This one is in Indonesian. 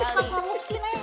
gak mau cekan kamu sih neng